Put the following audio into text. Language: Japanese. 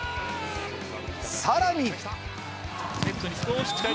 さらに。